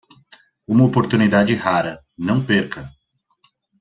Uma oportunidade rara, não perca!